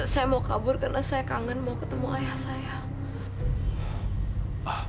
saya mau kabur karena saya kangen mau ketemu ayah saya